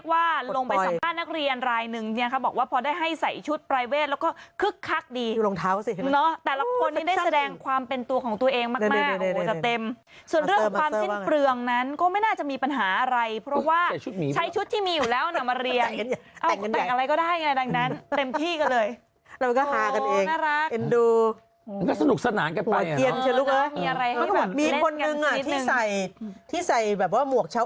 จากเมืองไทยสิจากเมืองไทยสิจากเมืองไทยสิจากเมืองไทยสิจากเมืองไทยสิจากเมืองไทยสิจากเมืองไทยสิจากเมืองไทยสิจากเมืองไทยสิจากเมืองไทยสิจากเมืองไทยสิจากเมืองไทยสิจากเมืองไทยสิจากเมืองไทยสิจากเมืองไทยสิจากเมืองไทยสิจากเมืองไทยสิจากเมืองไทยสิจากเมื